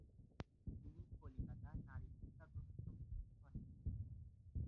তিনি কলিকাতা ‘নারী সত্যাগ্রহ সমিতি’র সভানেত্রী ছিলেন।